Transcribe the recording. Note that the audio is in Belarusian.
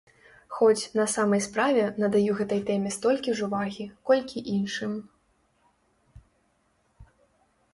Хоць, на самай справе, надаю гэтай тэме столькі ж увагі, колькі іншым.